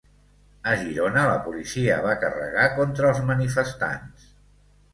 A Girona la policia va carregar contra els manifestants